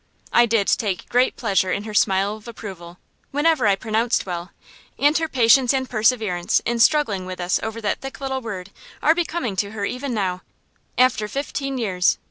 I did take great pleasure in her smile of approval, whenever I pronounced well; and her patience and perseverance in struggling with us over that thick little word are becoming to her even now, after fifteen years.